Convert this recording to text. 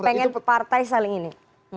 pengen partai saling ini